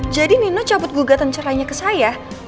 jadi nino cabut gugatan cerainya ke saya